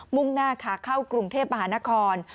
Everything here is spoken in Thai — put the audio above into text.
่งหน้าขาเข้ากรุงเทพมหานคร